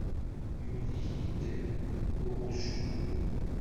Yuli-yi-d uɣujbu.